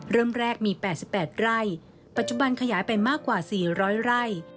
เริ่มแรกมี๘๘ไร่ปัจจุบันขยายไปมากกว่า๔๐๐ไร่